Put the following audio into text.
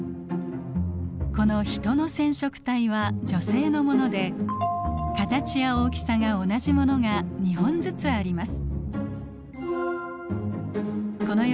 このヒトの染色体は女性のもので形や大きさが同じものが２本ずつあります。